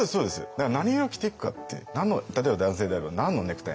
だから何色を着ていくかって例えば男性であれば何のネクタイなのか。